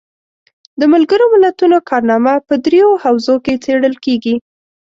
د ملګرو ملتونو کارنامه په دریو حوزو کې څیړل کیږي.